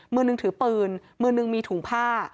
เมื่อนึงถือปืนเมื่อนึงมีถุงผ้า